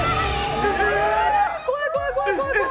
怖い、怖い、怖い。